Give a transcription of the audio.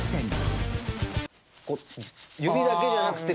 指だけじゃなくて。